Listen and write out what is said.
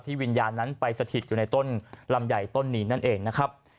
วิญญาณนั้นไปสถิตอยู่ในต้นลำใหญ่ต้นนี้นั่นเองนะครับ